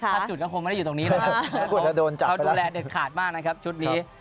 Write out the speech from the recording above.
ถ้าจุดก็คงไม่ได้อยู่ตรงนี้นะครับเขาดูแลเด็ดขาดมากนะครับชุดนี้